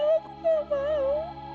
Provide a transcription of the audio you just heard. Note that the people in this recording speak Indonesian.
aku gak mau